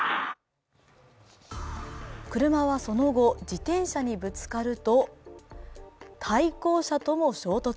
車はその後、自転車にぶつかると対向車とも衝突。